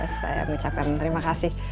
saya mengucapkan terima kasih